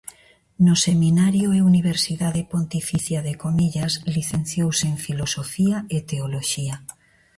No Seminario e Universidade Pontificia de Comillas licenciouse en Filosofía e Teoloxía.